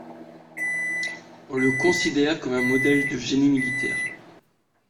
On le considère comme un modèle de génie militaire.